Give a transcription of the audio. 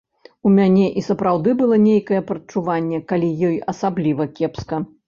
У мяне і сапраўды было нейкае прадчуванне, калі ёй асабліва кепска.